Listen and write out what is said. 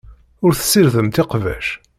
Ur tessiridemt iqbac.